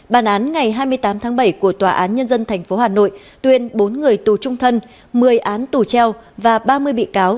bản án ngày hai mươi tám tháng bảy của tòa án nhân dân tp hà nội tuyên bốn người tù trung thân một mươi án tù treo và ba mươi bị cáo